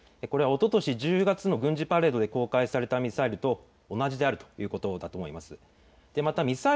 これはおととし１０月の軍事パレードで公開されたミサイルと同じであるということだと思います。